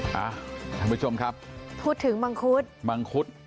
ท่านผู้ชมครับพูดถึงมังคุดมังคุด